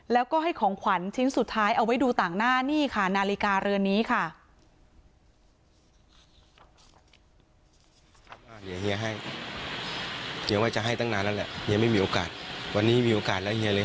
แล้วก็ให้ของขวัญชิ้นสุดท้ายเอาไว้ดูต่างหน้านี่ค่ะนาฬิกาเรือนนี้ค่ะ